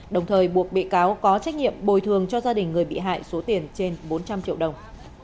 đồng thời buộc bị cáo có trách nhiệm bồi thường cho gia đình người bị hại số tiền trên bốn trăm linh triệu đồng